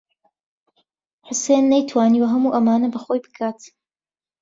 حوسێن نەیتوانیوە هەموو ئەمانە بە خۆی بکات.